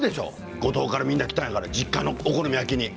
五島から、みんな来たんだから実家のお好み焼きに。